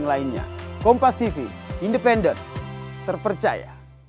terima kasih wassalamualaikum wr wb